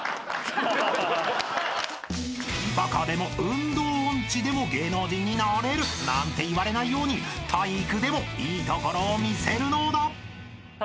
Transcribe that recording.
［「バカでも運動音痴でも芸能人になれる」なんて言われないように体育でもいいところを見せるのだ］